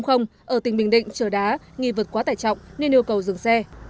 ở tỉnh bình định trở đá nghi vượt quá tải trọng nên yêu cầu dừng xe